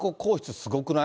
すごくない？